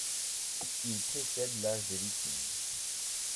Il précède l'âge des Vikings.